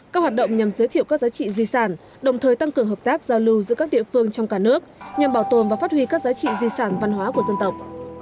các hoạt động nhằm giới thiệu các giá trị di sản đồng thời tăng cường hợp tác giao lưu giữa các địa phương trong cả nước nhằm bảo tồn và phát huy các giá trị di sản văn hóa của dân tộc